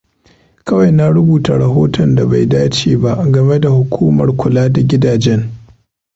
Kawai na rubuta rahoton da bai dace ba game da hukumar kula da gidajen.